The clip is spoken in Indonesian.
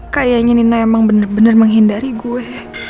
kayaknya nina emang bener bener menghindari gue